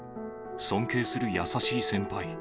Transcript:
尊敬する優しい先輩。